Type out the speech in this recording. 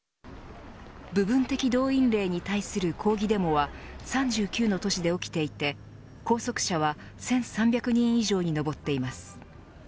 部分的動員令に対する抗議デモは３９の都市で起きていて拘束者は１３００人以上に上っています。